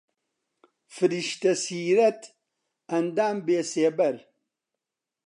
فریشتە سیرەت، ئەندام بێسێبەر